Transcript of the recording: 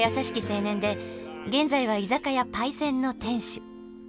青年で現在は居酒屋「パイセン」の店主。